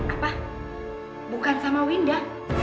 apa bukan sama winda